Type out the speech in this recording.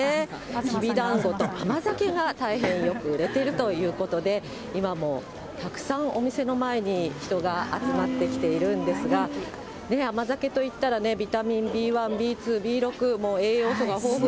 きびだんごと甘酒がたくさんよく売れているということで、今もたくさん、お店の前に人が集まってきているんですが、甘酒といったら、ビタミンＢ１、Ｂ２、Ｂ６、栄養素が豊富。